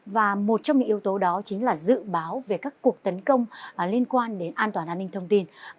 và một trong những yếu tố đó chính là dự báo về các cuộc tấn công liên quan đến an toàn an ninh thông tin